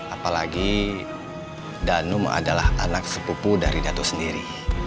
apalagi danum adalah anak sepupu dari datu sendiri